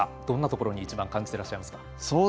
どんなところに一番感じていらっしゃいますか？